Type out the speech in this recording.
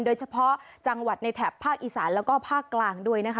โดยเฉพาะจังหวัดในแถบภาคอีสานแล้วก็ภาคกลางด้วยนะคะ